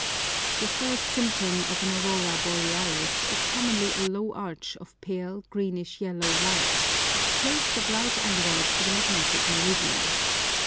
The first symptom of an aurora borealis is commonly a low arch of pale, greenish yellow light, placed at right angles to the magnetic meridian.